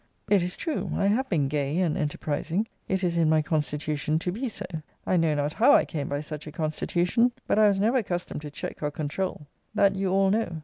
It is true, I have been gay and enterprising. It is in my constitution to be so. I know not how I came by such a constitution: but I was never accustomed to check or controul; that you all know.